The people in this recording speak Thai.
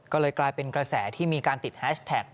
ก็เลยกลายเป็นกระแสที่มีการติดแฮชแท็ก